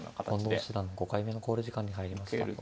近藤七段５回目の考慮時間に入りました。